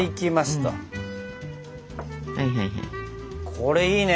これいいね。